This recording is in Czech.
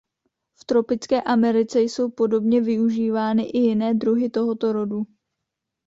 V tropické Americe jsou podobně využívány i jiné druhy tohoto rodu.